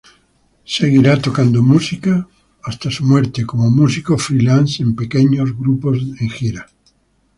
Seguirá tocando hasta su muerte como músico "free-lance" en pequeños grupos en gira.